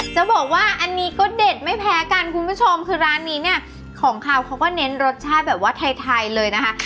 จะบอกว่าอันนี้ก็เด็ดไม่แพ้กันคุณผู้ชมคือร้านนี้เนี่ยของเขาเขาก็เน้นรสชาติแบบว่าไทยเลยนะคะ